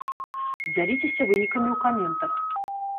Дзяліцеся вынікамі ў каментах!